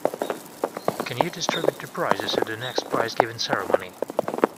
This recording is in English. Can you distribute the prizes at the next prize-giving ceremony?